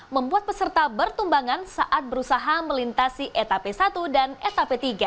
membuat peserta bertumbangan saat berusaha melintasi etape satu dan etape tiga